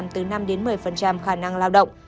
từ năm một mươi khả năng lao động